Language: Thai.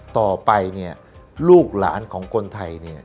ต่อไปลูกหลานของคนไทย